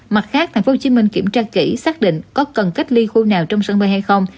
mặt khác tp hcm kiểm tra kỹ xác định có cần cách ly khu nào trong sân bay hay không